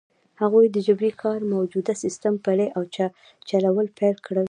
هغوی د جبري کار موجوده سیستم پلی او چلول پیل کړ.